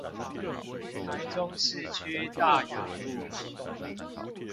台中市區大雅路